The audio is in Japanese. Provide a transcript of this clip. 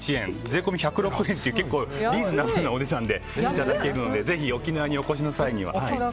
税込み１０６円というリーズナブルなお値段でいただけるのでぜひ沖縄にお越しの際には。